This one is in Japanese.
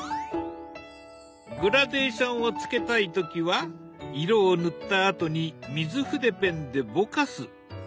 グラデーションをつけたい時は色を塗ったあとに水筆ペンでぼかす。